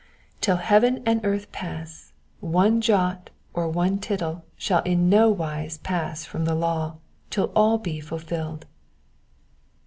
Till heaven and earth pass, one jot or one tittle shall in no wise pass from the law, till all be fulfilled."